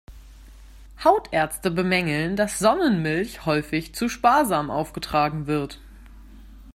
Hautärzte bemängeln, dass Sonnenmilch häufig zu sparsam aufgetragen wird.